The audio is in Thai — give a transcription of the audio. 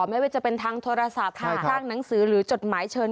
ไม่ว่าจะเป็นทางโทรศัพท์โดยทางหนังสือหรือจดหมายเชิญ